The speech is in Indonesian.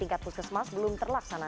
tingkat puskesmas belum terlaksana